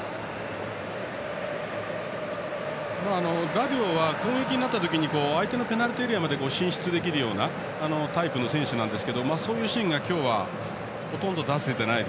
ラビオは攻撃的になった時に相手のペナルティーエリアまで進出できるようなタイプの選手ですがそういうシーンが出せていません。